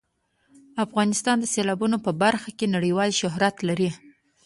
افغانستان د سیلابونه په برخه کې نړیوال شهرت لري.